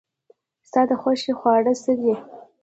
ستا د خوښې خواړه څه دي؟